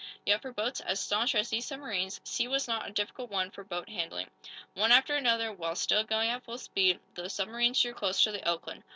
Yet, for boats as staunch as these submarines, sea was not a difficult one for boat handling. One after another, while still going at full speed, the submarines drew close to the "Oakland."